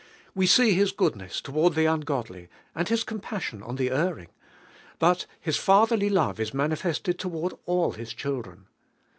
\y"e see His goodness toward the ungodly, and Ills compassion on (lie erring, hut His fatherly love is manifested toward all His children.